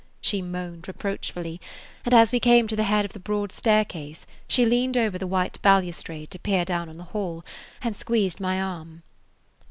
she moaned reproachfully, and as we came to the head of the broad staircase she leaned over the white balustrade to peer down on the hall, and squeezed my arm.